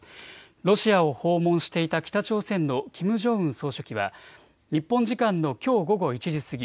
ロシアを訪問していた北朝鮮のキム・ジョンウン総書記は日本時間のきょう午後１時過ぎ